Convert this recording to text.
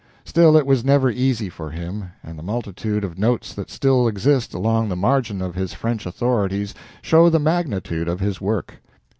Still, it was never easy for him, and the multitude of notes that still exist along the margin of his French authorities show the magnitude of his work.